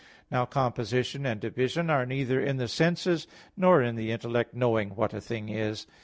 Now composition and division are neither in the senses nor in the intellect knowing "what a thing is."